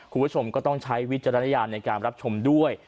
คุณผู้ชมก็ต้องใช้วิจารณญาณในการรับชมด้วย